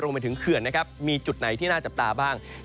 ลงไปถึงเขื่อนมีจุดไหนที่น่าจับตาบ้าง